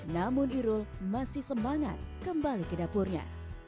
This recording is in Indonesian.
namun irul masih semangat kembali ke dapurnya